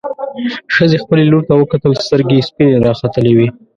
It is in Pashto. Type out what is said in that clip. ښځې خپلې لور ته وکتل، سترګې يې سپينې راختلې وې.